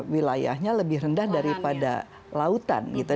wilayahnya lebih rendah daripada lautan gitu